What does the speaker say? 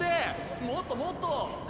もっともっと。